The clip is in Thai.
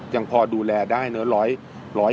ยังพอดูแลได้เนอะ